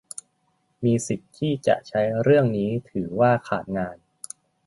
มีสิทธิ์ที่จะใช้เรื่องนี้ถือว่าขาดงาน